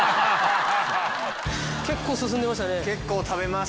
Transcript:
結構進んでましたね。